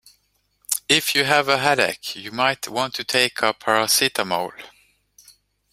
If you have a headache you might want to take a paracetamol